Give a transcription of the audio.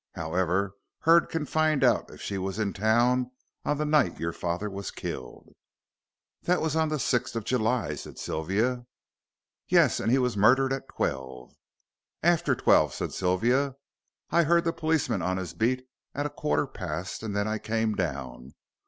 However, Hurd can find out if she was in town on the night your father was killed." "That was on the sixth of July," said Sylvia. "Yes. And he was murdered at twelve." "After twelve," said Sylvia. "I heard the policeman on his beat at a quarter past, and then I came down.